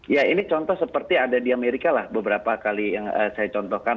ya ini contoh seperti ada di amerika lah beberapa kali yang saya contohkan